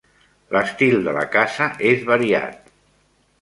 L'estil de la casa és variat.